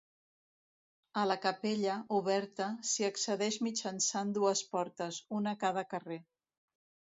A la capella, oberta, s'hi accedeix, mitjançant dues portes, una a cada carrer.